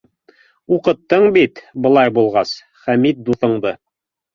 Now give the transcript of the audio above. Уҡыттың бит, былай булғас, Хәмит дуҫыңды.